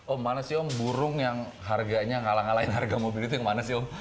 oh mana sih om burung yang harganya ngalah ngalahin harga mobil itu yang mana sih om